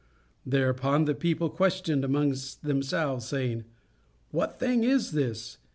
Thereupon the people questioned amongst themselves saying, "What thing is this?